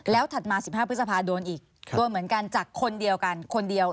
แล้วถัดมา๑๕พฤษภาโดนอีกโดนเหมือนกันจากคนเดียวกันคนเดียว